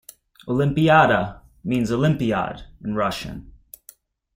"Olympiada" means olympiad in Russian.